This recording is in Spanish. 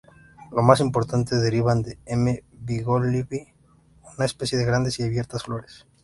Los más importantes derivan de "M.bigelovii", una especie de grandes y abiertas flores.